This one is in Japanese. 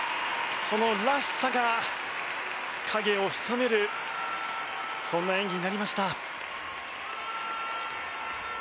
そのらしさが影を潜めるそんな演技になりました。